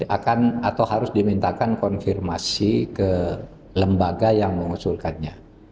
akan atau harus dimintakan konfirmasi ke lembaga yang mengusulkannya